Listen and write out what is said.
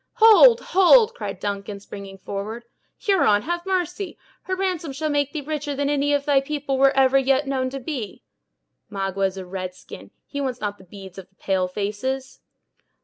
"Hold, hold!" cried Duncan, springing forward; "Huron, have mercy! her ransom shall make thee richer than any of thy people were ever yet known to be." "Magua is a red skin; he wants not the beads of the pale faces."